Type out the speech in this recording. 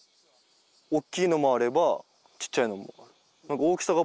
大きいのもあればちっちゃいのもある。